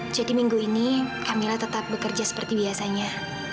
jadi minggu ini kamila tetap bekerja seperti biasanya